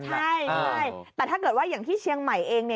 ใช่แต่ถ้าเกิดว่าอย่างที่เชียงใหม่เอง